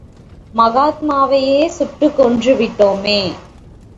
மகாத்மாவையே சுட்டுக் கொன்றுவிட்டோமே!